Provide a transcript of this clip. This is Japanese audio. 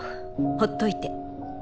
ほっといて。